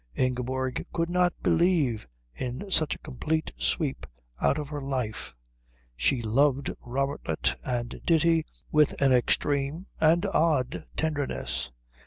Ingeborg could not believe in such a complete sweep out of her life. She loved Robertlet and Ditti with an extreme and odd tenderness.